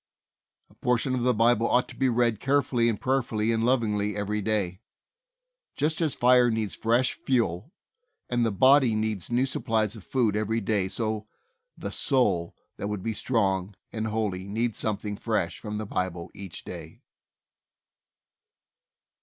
A portion of the Bible ought to be read carefully and prayerfully and lovingly every day. Just as a fire needs fresh fuel, and the body needs new supplies of food every day so the soul that would be strong and holy needs something fresh from the Bible each day.